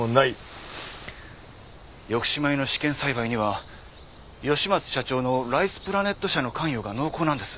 抑止米の試験栽培には吉松社長のライスプラネット社の関与が濃厚なんです。